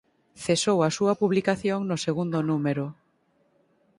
Cesou a súa publicación no segundo número.